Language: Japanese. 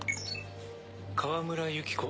川村由紀子